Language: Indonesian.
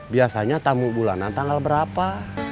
biasanya tamu bulanan tanggal berapa